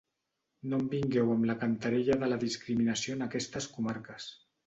No em vingueu amb la cantarella de la discriminació en aquestes comarques.